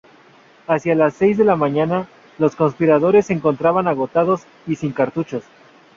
Hacia las seis de la mañana los conspiradores se encontraban agotados y sin cartuchos.